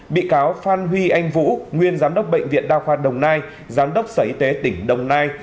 bị cáo phan huy anh vũ nguyên giám đốc bệnh viện đa khoa đồng nai giám đốc sở y tế tỉnh đồng nai